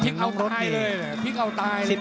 ภิกเอาไทรเลยภิกเอาตายเลยนะนี่ค่ะ